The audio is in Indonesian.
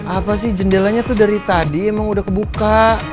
apa sih jendelanya tuh dari tadi emang udah kebuka